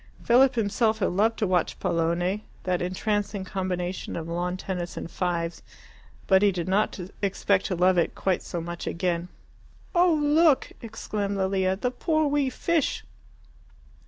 Philip himself had loved to watch pallone, that entrancing combination of lawn tennis and fives. But he did not expect to love it quite so much again. "Oh, look!" exclaimed Lilia, "the poor wee fish!"